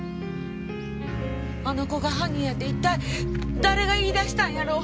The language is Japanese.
あの子が犯人やって一体誰が言い出したんやろ？